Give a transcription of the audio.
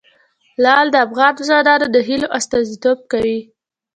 لعل د افغان ځوانانو د هیلو استازیتوب کوي.